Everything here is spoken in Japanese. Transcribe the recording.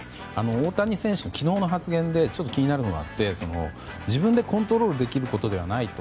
大谷選手、昨日の発言でちょっと気になることがあって自分でコントロールをできることではないと。